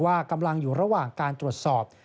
ว่ากำลังอยู่ระหว่างการตรวจสอบ